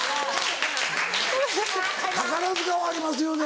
宝塚はありますよね。